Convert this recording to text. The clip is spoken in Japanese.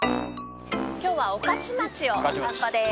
今日は御徒町をお散歩です。